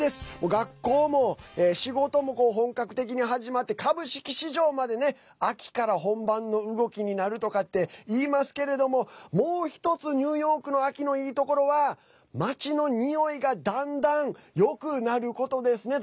学校も仕事も本格的に始まって株式市場まで秋から本番の動きになるとかっていいますけれどももう１つ、ニューヨークの秋のいいところは街のにおいがだんだんよくなることですね。